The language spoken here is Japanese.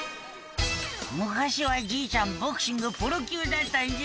「昔はじいちゃんボクシングプロ級だったんじゃ」